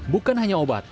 bukan hanya obat